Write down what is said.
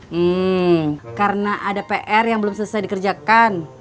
hmm karena ada pr yang belum selesai dikerjakan